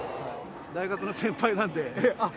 大学の先輩なんで。